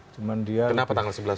kenapa tanggal sebelas